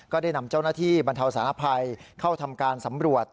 ได้นำเจ้าหน้าที่บรรเทาสารภัยเข้าทำการสำรวจ